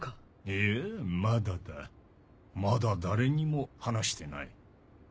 いやまだだまだ誰にも話してない。